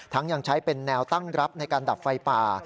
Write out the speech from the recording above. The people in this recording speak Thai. ยังใช้เป็นแนวตั้งรับในการดับไฟป่า